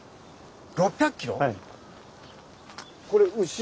６００キロ⁉はい。